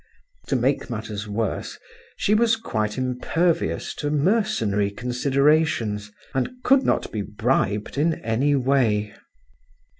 To make matters worse, she was quite impervious to mercenary considerations, and could not be bribed in any way.